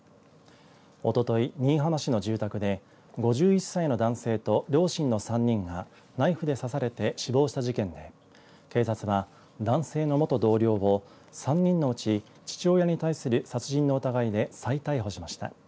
おととい、新居浜市の住宅で５１歳の男性と両親の３人がナイフで刺されて死亡した事件で警察は男性の元同僚を３人のうち父親に対する殺人の疑いで再逮捕しました。